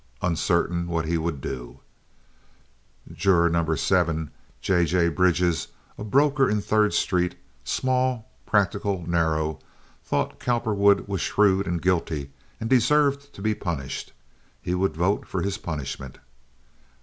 Uncertain what he would do, juror No. 7, J. J. Bridges, a broker in Third Street, small, practical, narrow, thought Cowperwood was shrewd and guilty and deserved to be punished. He would vote for his punishment.